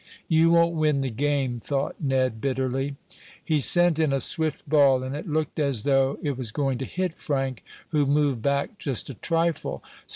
"You won't win the game!" thought Ned, bitterly. He sent in a swift ball, and it looked as though it was going to hit Frank, who moved back just a trifle.